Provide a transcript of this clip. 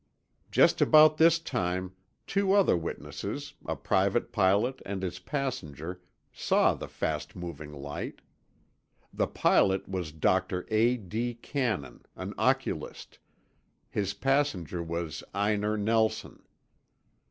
Just about this time, two. other witnesses, a private pilot and his passenger, saw the fast moving light. The pilot was Dr. A. D. Cannon, an oculist; his passenger was Einar Nelson.